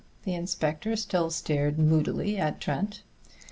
The inspector still stared moodily at Trent.